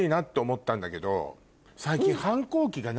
最近。